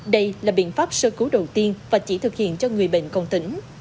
đây là biện pháp sơ cứu đầu tiên và chỉ thực hiện cho người bệnh còn tỉnh